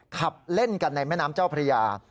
ขับเล่นกันในแม่น้ำเจ้าพระยา